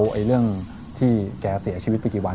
เรื่องที่แกเสียชีวิตไปกี่วัน